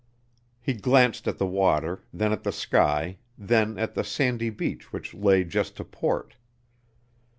He glanced at the water, then at the sky, then at the sandy beach which lay just to port.